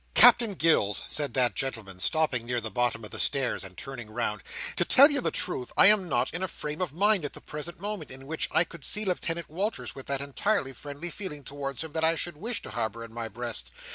"Captain Gills," said that gentleman, stopping near the bottom of the stairs, and turning round, "to tell you the truth, I am not in a frame of mind at the present moment, in which I could see Lieutenant Walters with that entirely friendly feeling towards him that I should wish to harbour in my breast.